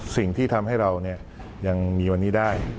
สิ่งที่ทำให้เรายังมีวันนี้ได้